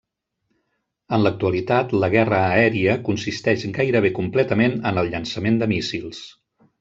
En l'actualitat, la guerra aèria consisteix gairebé completament en el llançament de míssils.